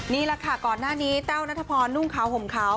นี่แหละค่ะก่อนหน้านี้แต้วนัทพรนุ่งขาวห่มขาว